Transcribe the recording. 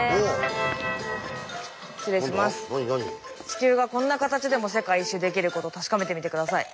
地球がこんな形でも世界一周できること確かめてみて下さい。